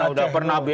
udah pernah bri